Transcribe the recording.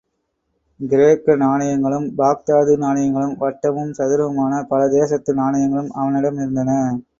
கிரேக்க நாணயங்களும், பாக்தாது நாணயங்களும், வட்டமும் சதுரமுமான பல தேசத்து நாணயங்களும் அவனிடம் இருந்தன.